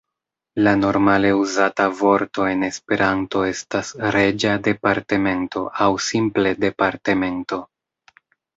La normale uzata vorto en Esperanto estas "reĝa departemento" aŭ simple "departemento".